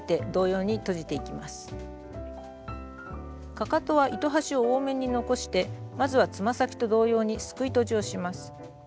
かかとは糸端を多めに残してまずはつま先と同様にすくいとじをします。